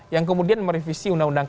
yang kemudian merevisi undang undang kpk